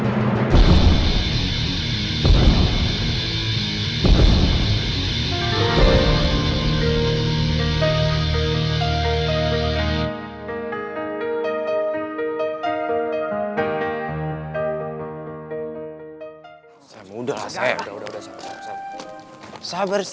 ini gina jadi cembung